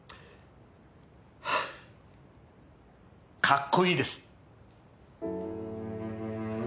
かっこいいです。